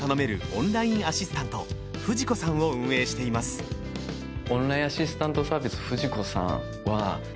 オンラインアシスタント「フジ子」さんを運営していますになってます